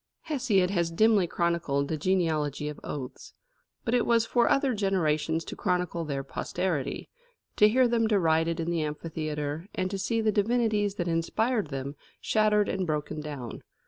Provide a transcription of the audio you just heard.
Hesiod has dimly chronicled the genealogy of oaths. But it was for other generations to chronicle their posterity, to hear them derided in the amphitheatre, and to see the divinities that inspired them shattered and broken down.